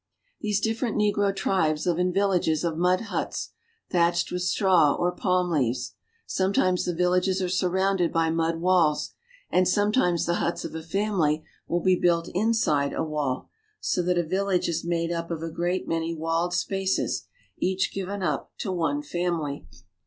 These different negro tribes live in villages of mud huts, thatched with straw or palm leaves. Sometimes the villages are surrounded by mud I walls, and sometimes the huts of a family will be built inside a wall ; so that a village is made up of a great many walled spaces, each given up to one family.